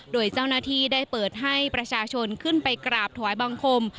โดยเจ้าหน้าที่ได้เปิดให้ประชาชนขึ้นไปกราบถวายบังคม